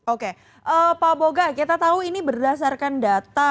oke pak boga kita tahu ini berdasarkan data